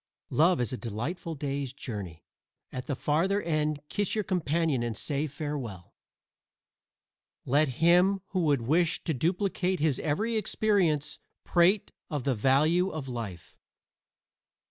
Love is a delightful day's journey. At the farther end kiss your companion and say farewell. Let him who would wish to duplicate his every experience prate of the value of life.